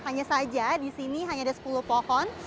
hanya saja di sini hanya ada sepuluh pohon